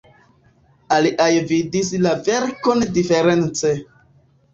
Aliaj vidis la verkon diference.